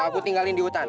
atau aku tinggalin di hutan